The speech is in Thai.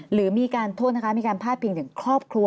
หรือมีการโทษนะคะมีการพาดพิงถึงครอบครัว